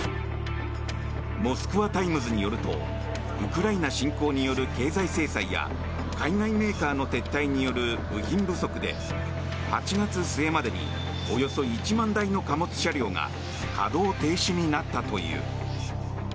モスクワ・タイムズによるとウクライナ侵攻による経済制裁や海外メーカーの撤退による部品不足で、８月末までにおよそ１万台の貨物車両が稼働停止になったという。